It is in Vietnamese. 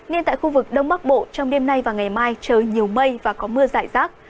nên tại khu vực đông bắc bộ trong đêm nay và ngày mai trời nhiều mây và có mưa giải rác